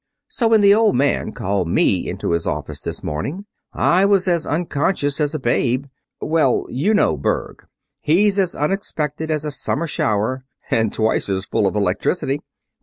So when the Old Man called me into his office this morning I was as unconscious as a babe. Well, you know Berg. He's as unexpected as a summer shower and twice as full of electricity.